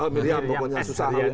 miriam pokoknya susah